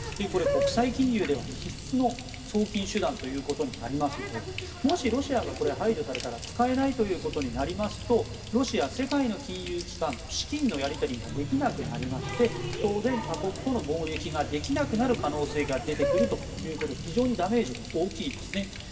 これ国際金融では必須の送金手段になりますのでもしロシアが排除されたら使えないということになりますとロシア、世界の金融機関と資金のやり取りができなくなり当然、他国との貿易ができなくなる可能性が出てくるということで非常にダメージが大きいですね。